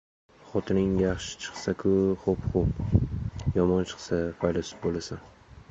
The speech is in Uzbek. Xotining yaxshi chiqsaku — xo‘p-xo‘p, yomon chiqsa — faylasuf bo‘lasan.